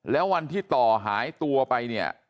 แล้ววันที่ต่อหายตัวไปเนี่ย